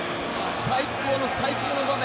最高の最高の場面